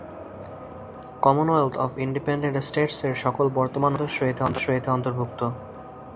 Commonwealth of Independent States এর সকল বর্তমান ও সাবেক সদস্য এতে অন্তর্ভুক্ত।